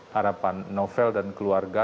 harapan novel dan keluarga